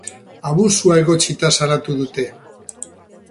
Abusua egotzita salatu dute.